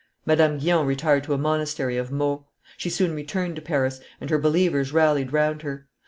Madame Guyon retired to a monastery of Meaux; she soon returned to Paris, and her believers rallied round her.